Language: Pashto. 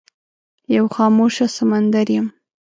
یو خاموشه سمندر یم